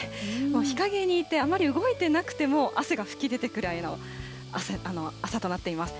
日陰にいてあまり動いてなくても、汗が噴き出るくらいの朝となっています。